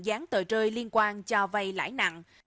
dán tờ rơi liên quan cho vai lãi nặng